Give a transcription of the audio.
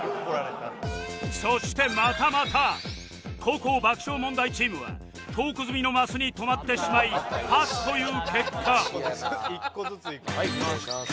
そしてまたまた後攻爆笑問題チームはトーク済みのマスに止まってしまいパスという結果はいいきます。